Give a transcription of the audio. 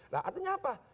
nah artinya apa